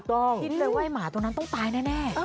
คิดเลยว่าหมาตัวนั้นต้องตายแน่